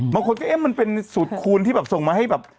บางคนก็เอ๊ะมันเป็นสูตรคูณที่แบบส่งมาให้แบบ